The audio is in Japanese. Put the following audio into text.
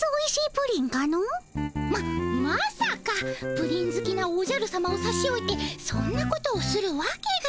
プリンずきなおじゃるさまをさしおいてそんなことをするわけが。